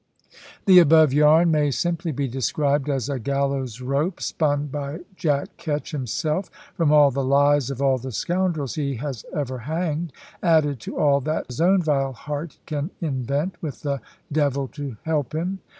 The above yarn may simply be described as a gallow's rope spun by Jack Ketch himself from all the lies of all the scoundrels he has ever hanged, added to all that his own vile heart can invent, with the devil to help him.